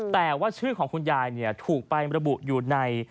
แต่ว่าชื่อของคุณยายถูกไประบุอยู่ใน